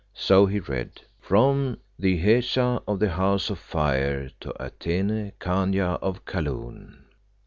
So he read: "From the Hesea of the House of Fire, to Atene, Khania of Kaloon.